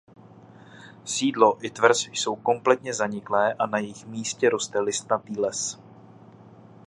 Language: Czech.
Sídlo i tvrz jsou kompletně zaniklé a na jejich místě roste listnatý les.